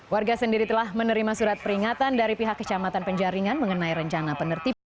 warga sendiri telah menerima surat peringatan dari pihak kecamatan penjaringan mengenai rencana penertiban